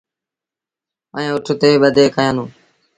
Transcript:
ائيٚݩ اُٺ تي ٻڌي کيآندون۔